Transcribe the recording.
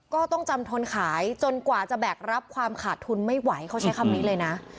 ก็ต้องจำทนขายจนกว่าจะแบกรับความขาดทุนไม่ไหวเขาใช้คำนี้เลยนะ